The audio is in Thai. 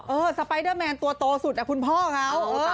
สไปเดอร์แมนตัวโตสุดคุณพ่อเขา